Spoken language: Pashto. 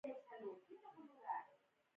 پښتو اذکار کاریال وړیا کښته کړئ